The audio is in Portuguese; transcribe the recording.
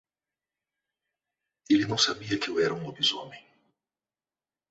Ele não sabia que eu era um lobisomem